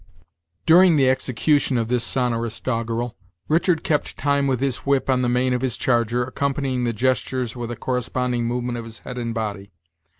During the execution of this sonorous doggerel, Richard kept time with his whip on the mane of his charger, accompanying the gestures with a corresponding movement of his head and body.